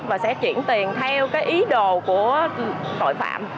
và sẽ chuyển tiền theo cái ý đồ của tội phạm